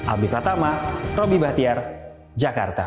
albi pratama roby bahtiar jakarta